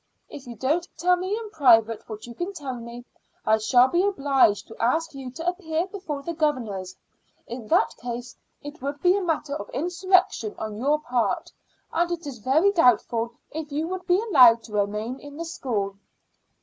If you don't tell me in private what you can tell me, I shall be obliged to ask you to appear before the governors. In that case it would be a matter of insurrection on your part, and it is very doubtful if you would be allowed to remain in the school."